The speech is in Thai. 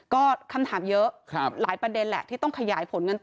ก็คำถามเยอะหลายประเด็นแหละที่ต้องขยายผลกันต่อ